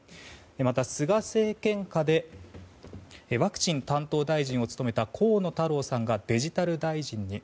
また菅政権下でワクチン担当大臣を務めた河野太郎さんがデジタル大臣に。